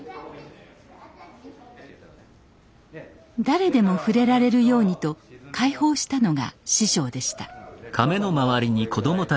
誰でも触れられるようにと開放したのが師匠でした。